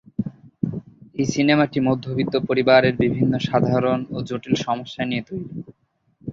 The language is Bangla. এই সিনেমাটি মধ্যবিত্ত পরিবারের বিভিন্ন সাধারণ ও জটিল সমস্যা নিয়ে তৈরি।